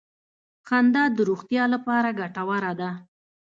• خندا د روغتیا لپاره ګټوره ده.